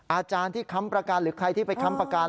อาจารย์ที่ค้ำประกันหรือใครที่ไปค้ำประกัน